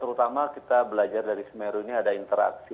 terutama kita belajar dari semeru ini ada interaksi